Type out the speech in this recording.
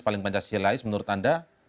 paling pancasilais menurut anda